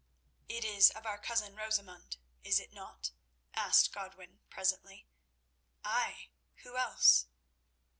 "It is of our cousin Rosamund, is it not?" asked Godwin presently. "Ay. Who else?"